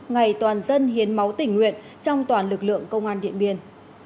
ngày toàn dân hiến máu tỉnh nguyện trong toàn lực lượng công an điện biên